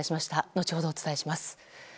後ほどお伝えします。